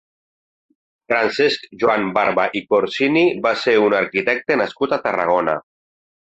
Francesc Joan Barba i Corsini va ser un arquitecte nascut a Tarragona.